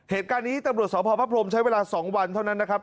เหตุการณ์นี้ตำรวจสพพระพรมใช้เวลา๒วันเท่านั้นนะครับ